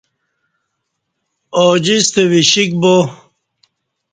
اوجیستہ وشِیک با